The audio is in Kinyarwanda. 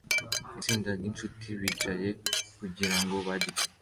Itsinda ryinshuti bicaye kugirango barye